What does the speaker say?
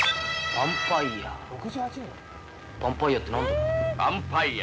バンパイヤって何だ？